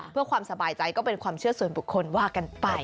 เพื่อความสบายใจก็เป็นความเชื่อส่วนบุคคลว่ากันไป